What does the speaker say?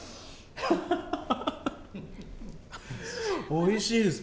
おいしいです。